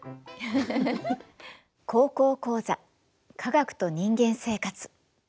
「高校講座科学と人間生活」。